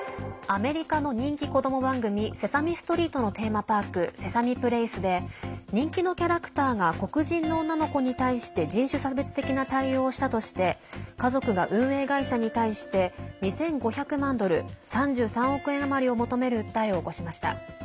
アメリカの人気子ども番組「セサミストリート」のテーマパーク、セサミプレイスで人気のキャラクターが黒人の女の子に対して人種差別的な対応をしたとして家族が運営会社に対して２５００万ドル３３億円余りを求める訴えを起こしました。